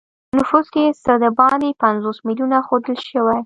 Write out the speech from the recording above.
نفوس یې څه د باندې پنځوس میلیونه ښودل شوی.